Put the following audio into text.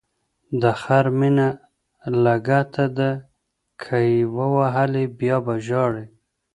د خر مینه لګته ده، که یې ووهلی بیا به ژاړی.